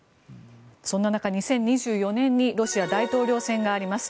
そんな中、２０２４年にロシア大統領選があります。